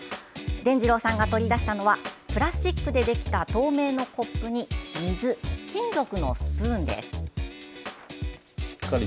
でんじろうさんが取り出したのはプラスチックでできた透明のコップに水金属のスプーンです。